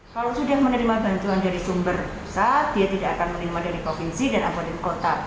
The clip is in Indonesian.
kalau sudah menerima bantuan dari sumber pusat dia tidak akan menerima dari provinsi dan atau dari kota